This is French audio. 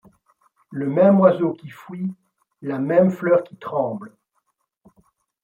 Le même oiseau qui fuit, la même fleur qui tremble